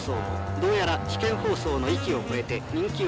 どうやら試験放送の域を超えて人気をあおる。